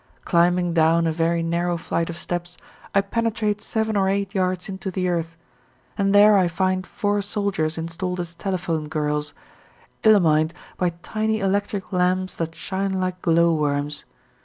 Climbing down a very narrow flight of steps, I penetrate seven or eight yards into the earth, and there I find four soldiers installed as telephone girls, illumined by tiny electric lamps that shine like glow worms.